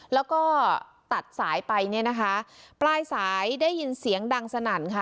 แล้วก็ตัดสายไปเนี่ยนะคะปลายสายได้ยินเสียงดังสนั่นค่ะ